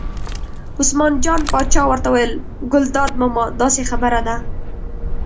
عثمان جان پاچا ورته وویل: ګلداد ماما داسې خبره ده.